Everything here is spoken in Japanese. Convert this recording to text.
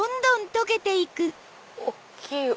大っきい。